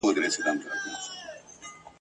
ښکاري کوتري !.